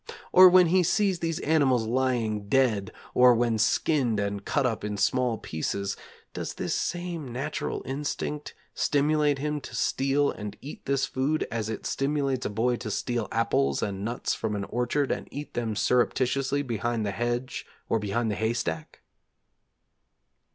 Or when he sees these animals lying dead, or when skinned and cut up in small pieces, does this same natural instinct stimulate him to steal and eat this food as it stimulates a boy to steal apples and nuts from an orchard and eat them surreptitiously beneath the hedge or behind the haystack?